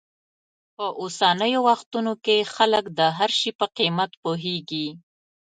په اوسنیو وختونو کې خلک د هر شي په قیمت پوهېږي.